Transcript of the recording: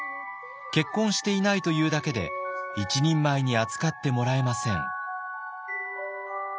結婚していないというだけで一人前に扱ってもらえません。